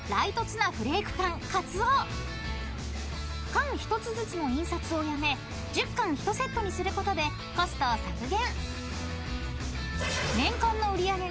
［缶一つずつの印刷をやめ１０缶一セットにすることでコストを削減］